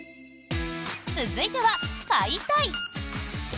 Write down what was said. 続いては、買いたい！